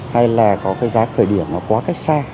hay là có cái giá khởi điểm nó quá cách xa